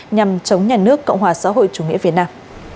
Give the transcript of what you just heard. nhằm chống nhà nước cộng hòa xã hội chủ nghĩa việt nam